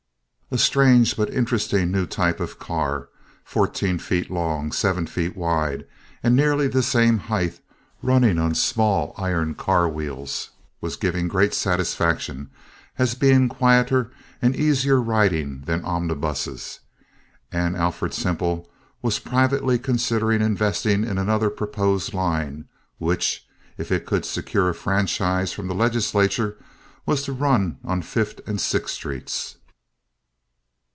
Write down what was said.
A strange but interesting new type of car, fourteen feet long, seven feet wide, and nearly the same height, running on small iron car wheels, was giving great satisfaction as being quieter and easier riding than omnibuses; and Alfred Semple was privately considering investing in another proposed line which, if it could secure a franchise from the legislature, was to run on Fifth and Sixth streets.